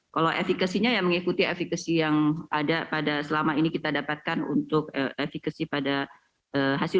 kalau efekasinya ya mengikuti efekasi yang ada pada selama ini kita dapatkan untuk efekasi pada hasil